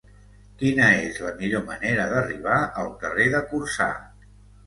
Quina és la millor manera d'arribar al carrer de Corçà?